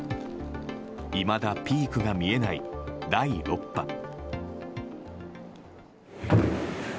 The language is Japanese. いまだピークが見えない第６波。